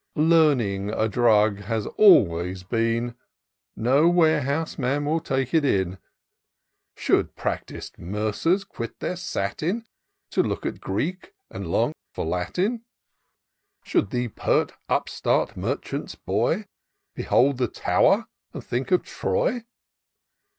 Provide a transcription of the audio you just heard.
Learning, a drug has always been ; No warehouseman will take it in : Should practic'd mercers quit their satin, To look at Greek and long for Latin ? 324 TOUR OF DOCTOR SYNTAX Should the pert, upstart, merchant's boy Behold the Tower, and think of Troy